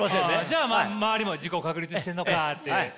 じゃあ周りも自己を確立してるのかって。